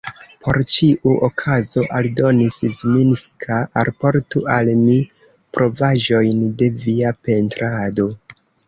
Por ĉiu okazo, aldonis Zminska, alportu al mi provaĵojn de via pentrado.